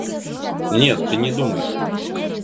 Нет, ты не думай.